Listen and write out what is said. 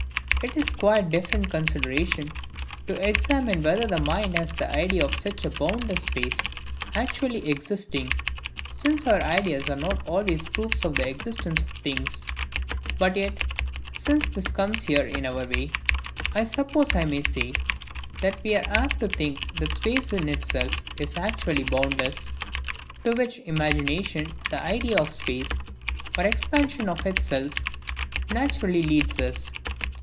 It is a quite different consideration, to examine whether the mind has the idea of such a boundless space ACTUALLY EXISTING; since our ideas are not always proofs of the existence of things: but yet, since this comes here in our way, I suppose I may say, that we are APT TO THINK that space in itself is actually boundless, to which imagination the idea of space or expansion of itself naturally leads us.